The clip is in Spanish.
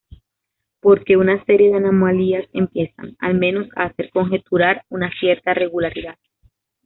Porque, una serie de anomalías empiezan, al menos, a hacer conjeturar una cierta regularidad.